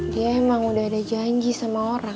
dia emang udah ada janji sama orang